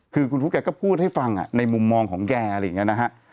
คือคุณฟุ๊กแกก็พูดให้ฟังในมุมมองของแกอะไรอย่างนี้นะฮะ